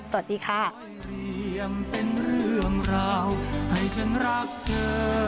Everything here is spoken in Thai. สวัสดีค่ะ